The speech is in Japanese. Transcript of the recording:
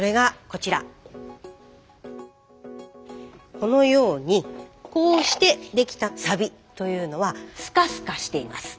このようにこうしてできたサビというのはスカスカしています。